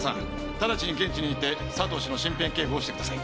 直ちに現地に行って佐藤氏の身辺警護をしてください。